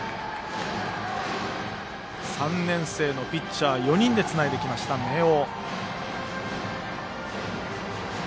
３年生のピッチャー４人でつないできました明桜。